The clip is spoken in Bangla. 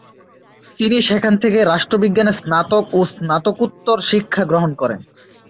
তিনি সেখান থেকে রাষ্ট্রবিজ্ঞানে স্নাতক ও স্নাতকোত্তর শিক্ষা গ্রহণ করেন।